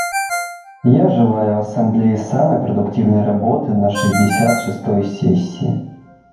Я желаю Ассамблее самой продуктивной работы на шестьдесят шестой сессии.